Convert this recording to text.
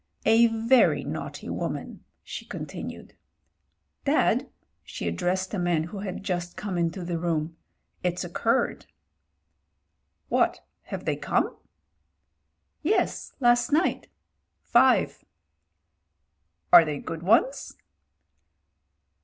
A very naughty woman," she continued. "Dad" — she addressed a man who had just come into the room — "it's occurred." "What — ^have they come?" ''Ye& last night. Five." "Are they good ones?"